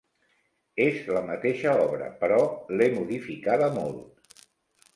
És la mateixa obra, però l'he modificada molt.